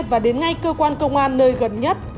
và đến ngay cơ quan công an nơi gần nhất